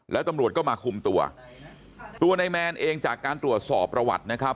แล้วตำรวจก็มาคุมตัวตัวนายแมนเองจากการตรวจสอบประวัตินะครับ